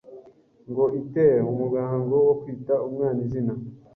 ngo itaire umuhango wo kwita umwana izina